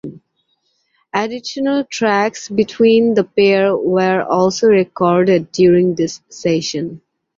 Additional tracks between the pair were also recorded during this session.